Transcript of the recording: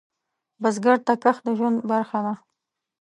بزګر ته کښت د ژوند برخه ده